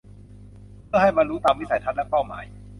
เพื่อให้บรรลุตามวิสัยทัศน์และเป้าหมาย